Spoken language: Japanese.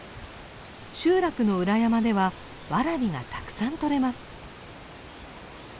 集落の裏山ではワラビがたくさん採れます。